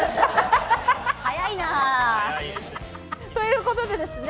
早いな。ということでですね